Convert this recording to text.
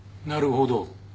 なるほど。